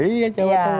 iya jawa tengah